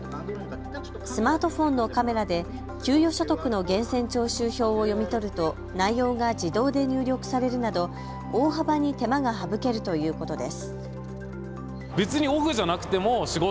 スマートフォンのカメラで給与所得の源泉徴収票を読み取ると内容が自動で入力されるなど大幅に手間が省けるということです。